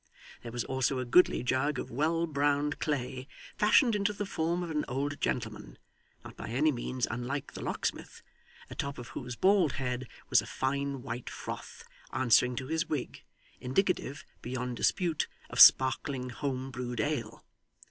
There was also a goodly jug of well browned clay, fashioned into the form of an old gentleman, not by any means unlike the locksmith, atop of whose bald head was a fine white froth answering to his wig, indicative, beyond dispute, of sparkling home brewed ale.